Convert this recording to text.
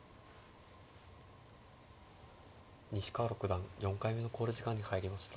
西川六段４回目の考慮時間に入りました。